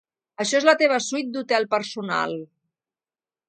Això és la teva suite d'hotel personal.